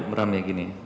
meram ya gini